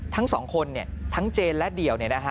ทั้งสองคนทั้งเจนและเดี่ยว